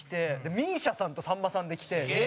ＭＩＳＩＡさんとさんまさんで来て。